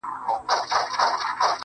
زما په مرگ دي خوشالي زاهدان هيڅ نکوي.